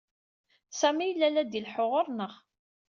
Sami yella la d-ileḥḥu ɣur-neɣ.